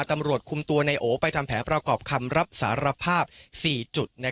ตำรวจคุมตัวนายโอไปทำแผนประกอบคำรับสารภาพ๔จุด